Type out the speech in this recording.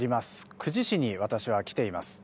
久慈市に私は来ています。